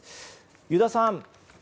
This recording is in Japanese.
油田さん